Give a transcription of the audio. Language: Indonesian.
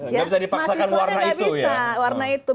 nggak bisa dipaksakan warna itu ya